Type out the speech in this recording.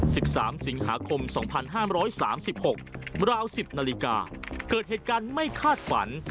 สิบสามสิงหาคมสองพันห้ามร้อยสามสิบหกราวสิบนาฬิกาเกิดเหตุการณ์ไม่คาดฝัน